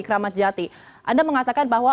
kramatjati anda mengatakan bahwa